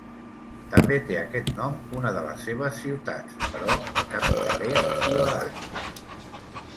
També té aquest nom una de les seves ciutats, però la capital és Ibadan.